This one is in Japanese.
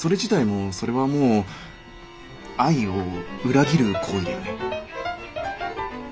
もうそれはもう愛を裏切る行為だよね？